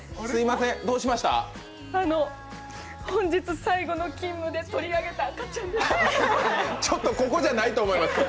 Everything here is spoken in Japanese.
本日最後の勤務で取り上げた赤ちゃんがちょっと、ここじゃないと思います。